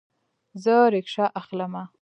زه ریکشه اخلمه